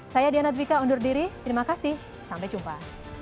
saya diana dwika undur diri terima kasih sampai jumpa